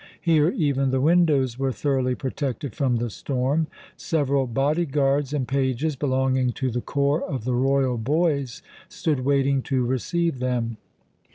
Here even the windows were thoroughly protected from the storm. Several body guards and pages belonging to the corps of the "royal boys" stood waiting to receive them.